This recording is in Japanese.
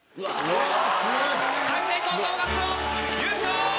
開成高等学校優勝！